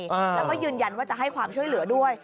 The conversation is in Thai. แล้วก็ยืนยันว่าจะให้ความช่วยเหลือด้วย